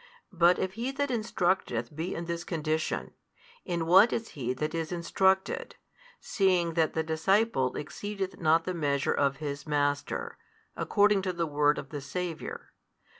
But if he that instructeth be in this condition, in what is he that is instructed, seeing that the disciple exceedeth not the measure of his master, according to the word of the Saviour?